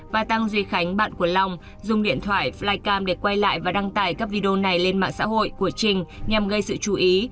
và tăng duy khánh bạn của long dùng điện thoại flycam để quay lại và đăng tải các video này lên mạng xã hội của trình nhằm gây sự chú ý